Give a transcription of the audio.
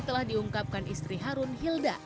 telah diungkapkan istri harun hilda